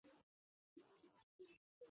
Please, আমার জন্য!